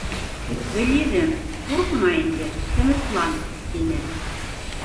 — Гөлйөҙөм, ҡурҡма инде, тыныслан! — тине.